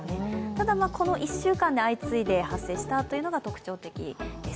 ただこの１週間で相次いで発生したというのが特徴的です。